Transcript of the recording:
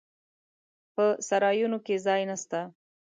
په سرایونو کې ځای نسته.